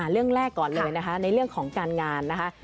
เรื่องแรกก่อนเลยนะคะในเรื่องของการงานนะคะ